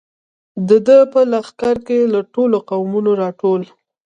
د ده په لښکر کې له ټولو قومونو را ټول.